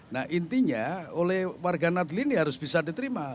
nah intinya oleh warga nadlin ya harus bisa diterima